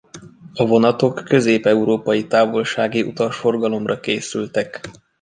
A vonatok közép-európai távolsági utasforgalomra készültek.